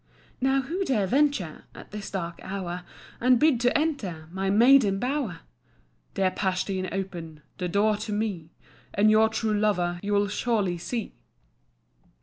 "Now who dare venture, At this dark hour, Unbid to enter My maiden bower?" "Dear Pastheen, open The door to me, And your true lover You'll surely see."